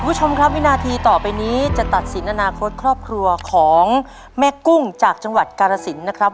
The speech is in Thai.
คุณผู้ชมครับวินาทีต่อไปนี้จะตัดสินอนาคตครอบครัวของแม่กุ้งจากจังหวัดกาลสินนะครับ